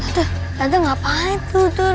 tante tante ngapain tuh